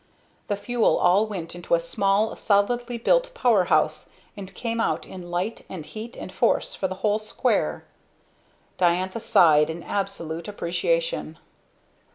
The fuel all went into a small, solidly built power house, and came out in light and heat and force for the whole square. Diantha sighed in absolute appreciation.